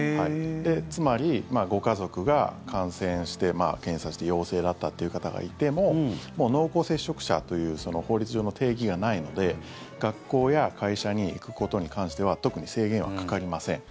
つまり、ご家族が感染して検査して陽性だったっていう方がいてももう濃厚接触者という法律上の定義がないので学校や会社に行くことに関しては特に制限はかかりません。